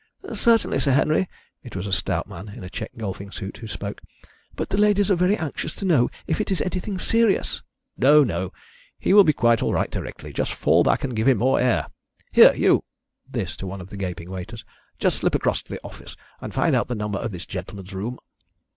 "Certainly, Sir Henry." It was a stout man in a check golfing suit who spoke. "But the ladies are very anxious to know if it is anything serious." "No, no. He will be quite all right directly. Just fall back, and give him more air. Here, you!" this to one of the gaping waiters "just slip across to the office and find out the number of this gentleman's room."